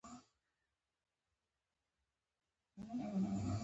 وزې له پسه بېلېږي خو ښې دي